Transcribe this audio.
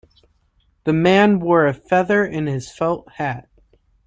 The man wore a feather in his felt hat.